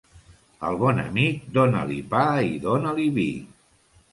Al bon amic, dona-li pa i dona-li vi.